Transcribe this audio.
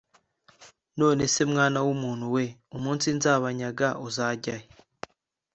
None se mwana w umuntu we umunsi nzabanyaga uzajya he